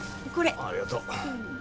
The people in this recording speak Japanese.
ありがとう。